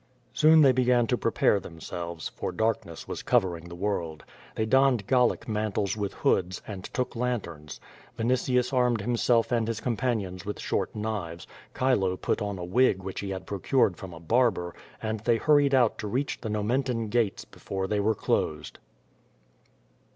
Soon they began to prepare themselves, for darkness was covering the world. They donned Gallic mantles with hoods, and took lanterns. Vinitius armed himself and his compan ions with short knives; Chilo put on a wig which he had pro cured from a barber, and they hurried out to reach the No meutan gates before they were closed.